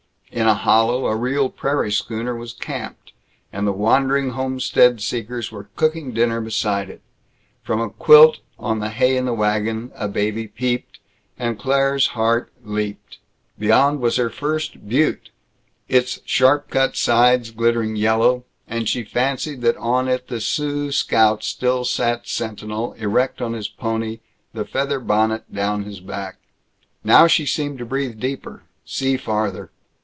In a hollow a real prairie schooner was camped, and the wandering homestead seekers were cooking dinner beside it. From a quilt on the hay in the wagon a baby peeped, and Claire's heart leaped. Beyond was her first butte, its sharp cut sides glittering yellow, and she fancied that on it the Sioux scout still sat sentinel, erect on his pony, the feather bonnet down his back. Now she seemed to breathe deeper, see farther.